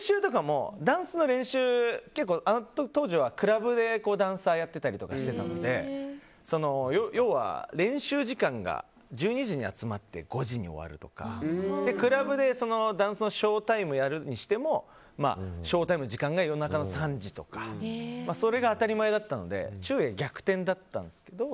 あと、あの当時はクラブでダンサーとかもやっていたので要は練習時間が１２時に集まって５時に終わるとかクラブでダンスのショータイムをやるにしてもショータイムの時間が夜中の３時とかそれが当たり前だったので昼夜逆転だったんですけど。